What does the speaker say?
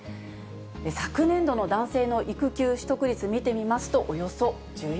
昨年度の男性の育休取得率、見てみますと、およそ１４％。